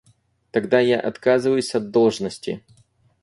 Тогда я отказываюсь от должности.